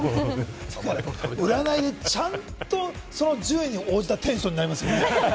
占いでちゃんと順位に応じたテンションになりますね。